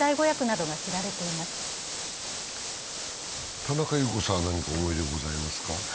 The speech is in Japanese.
田中優子さんは何か思い出がありますか？